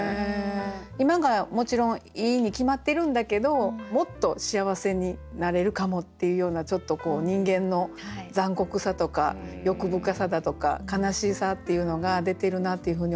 今がもちろんいいに決まってるんだけどもっと幸せになれるかもっていうようなちょっと人間の残酷さとか欲深さだとか悲しさっていうのが出てるなっていうふうに思いました。